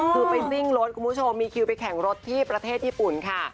คือไปซิ่งรถคุณผู้ชมมีคิวไปแข่งรถที่ประเทศญี่ปุ่นค่ะ